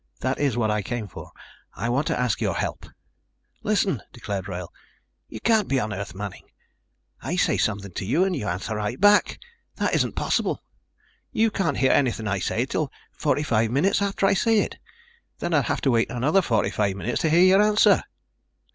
"That is what I came for. I want to ask your help." "Listen," declared Wrail, "you can't be on Earth, Manning. I say something to you and you answer right back. That isn't possible. You can't hear anything I say until 45 minutes after I say it, and then I'd have to wait another 45 minutes to hear your answer."